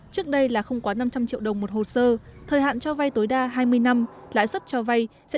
trước đây là không quá năm trăm linh triệu đồng một hồ sơ thời hạn cho vay tối đa hai mươi năm lãi suất cho vay sẽ